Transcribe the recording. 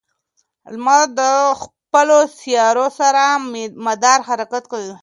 لمر د خپلو سیارو سره مدار حرکت کوي.